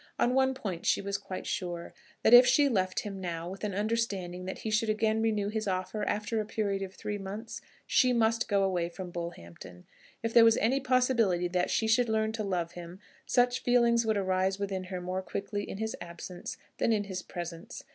On one point she was quite sure, that if she left him now, with an understanding that he should again renew his offer after a period of three months, she must go away from Bullhampton. If there was any possibility that she should learn to love him, such feeling would arise within her more quickly in his absence than in his presence.